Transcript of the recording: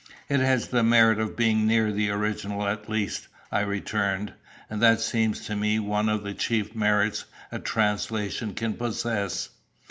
"It has the merit of being near the original at least," I returned; "and that seems to me one of the chief merits a translation can possess."